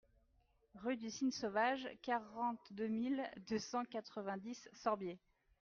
Rue du Cygne Sauvage, quarante-deux mille deux cent quatre-vingt-dix Sorbiers